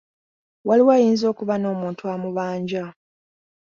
Waliwo ayinza okuba n'omuntu amubanja.